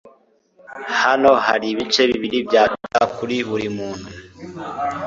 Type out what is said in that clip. Hano hari ibice bibiri bya pizza kuri buri muntu. (ryanwhiting)